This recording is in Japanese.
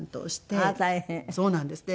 そうなんです。